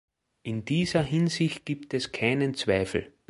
In dieser Hinsicht gibt es keinen Zweifel.